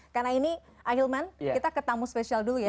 karena ini ahilman kita ketamu spesial dulu ya